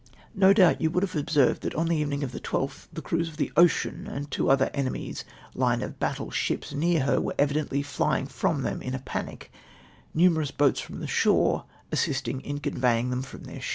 No doubt you would have observed that on the evenincT of the 12th the crews of the Ocean and two other enemy's line of battle ships near her, were eYidentlj flying from them in a panic, numerous boats from the shore as sisting in conveying them from the ships.